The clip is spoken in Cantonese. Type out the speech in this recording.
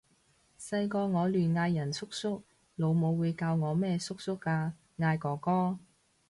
細個我亂嗌人叔叔，老母會教我咩叔叔啊！嗌哥哥！